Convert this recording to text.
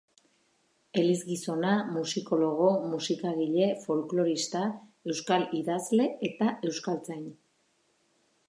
Elizgizona, musikologo, musikagile, folklorista, euskal idazle eta euskaltzain.